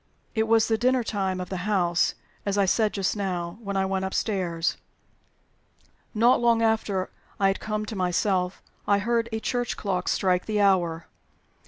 "It was the dinner time of the house (as I said just now) when I went upstairs. Not long after I had come to myself I heard a church clock strike the hour.